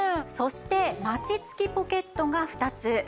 そしてマチ付きポケットが２つ。